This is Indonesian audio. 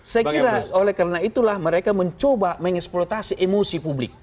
saya kira oleh karena itulah mereka mencoba mengeksploitasi emosi publik